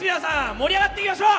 盛り上がっていきましょう！